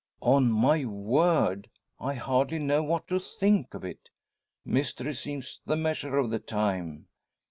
"On my word, I hardly know what to think of it. Mystery seems the measure of the time!